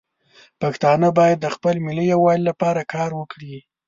پښتانه باید د خپل ملي یووالي لپاره کار وکړي.